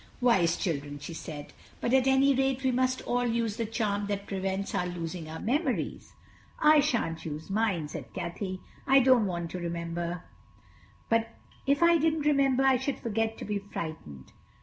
"Wise children," she said, "but at any rate we must all use the charm that prevents our losing our memories." "I shan't use mine," said Cathay. "I don't want to remember. If I didn't remember I should forget to be frightened.